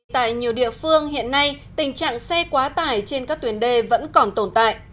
tại nhiều địa phương hiện nay tình trạng xe quá tải trên các tuyến đê vẫn còn tồn tại